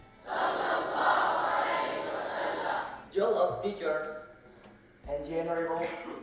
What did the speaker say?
salam allah alhamdulillah jalak teachers and general jalak audiences